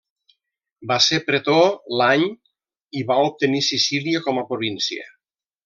Va ser pretor l'any i va obtenir Sicília com a província.